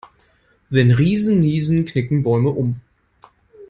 Wenn Riesen niesen, knicken Bäume um.